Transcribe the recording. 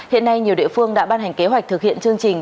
hiện nay nhiều địa phương đã ban hành kế hoạch thực hiện chương trình